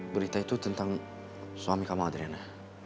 berita itu tentang suami kamu adrena